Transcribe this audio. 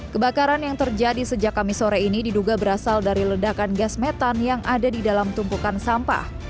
kebakaran yang terjadi sejak kamis sore ini diduga berasal dari ledakan gas metan yang ada di dalam tumpukan sampah